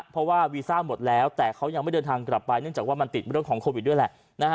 เพราะว่าวีซ่าหมดแล้วแต่เขายังไม่เดินทางกลับไปเนื่องจากว่ามันติดเรื่องของโควิดด้วยแหละ